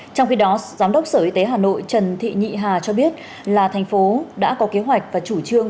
trong khi đó giám đốc sở y tế hà nội trần thị nhị hà cho biết là thành phố đã có kế hoạch và chủ trương